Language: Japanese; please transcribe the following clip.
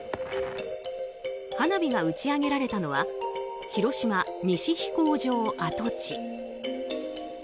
花火が打ち上げられたのは広島西飛行場跡地。